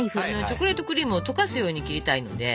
チョコレートクリームを溶かすように切りたいので。